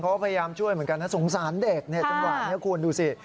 ก็พยายมช่วยเหมือนกันนะสงสารเด็กแจ้งหวานดูสิ